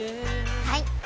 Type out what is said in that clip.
はい！